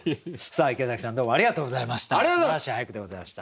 池崎さんどうもありがとうございました。